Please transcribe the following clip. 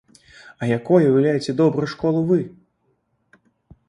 А якой уяўляеце добрую школу вы?